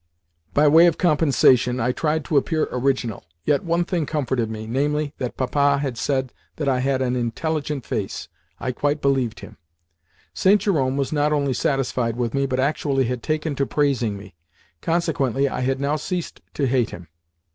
By way of compensation, I tried to appear original. Yet one thing comforted me, namely, that Papa had said that I had "an intelligent face." I quite believed him. St. Jerome was not only satisfied with me, but actually had taken to praising me. Consequently, I had now ceased to hate him.